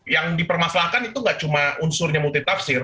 yang dipermasalahkan itu enggak cuma unsurnya multi tafsir